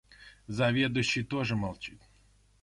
Заведующий тоже молчит.